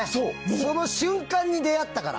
その瞬間に出会ったから。